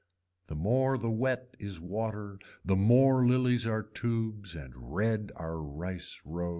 The more the wet is water the more lilies are tubes and red are rice rows.